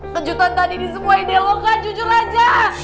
kejutan tadi ini semua ide lo kan jujur aja